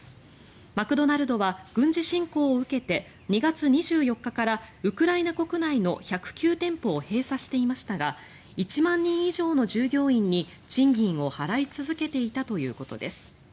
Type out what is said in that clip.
マクドナルドは軍事侵攻を受けて２月２４日からウクライナ国内の１０９店舗を閉鎖していましたが１万人以上の従業員に、賃金を払い続けていたということです。